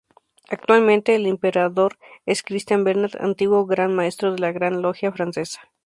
Actualmente el Imperator es Christian Bernard, antiguo Gran Maestro de la Gran Logia Francesa.